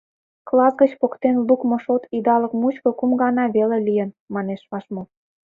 Класс гыч поктен лукмо шот идалык мучко кум гана веле лийын», — манеш вашмут.